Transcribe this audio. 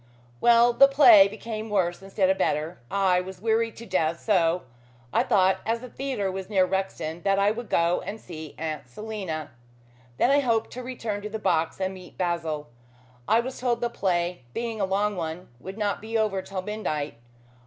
Well, the play became worse instead of better. I was weary to death, so I thought as the theatre was near Rexton, that I would go and see Aunt Selina. Then I hoped to return to the box and meet Basil. I was told the play, being a long one, would not be over till midnight.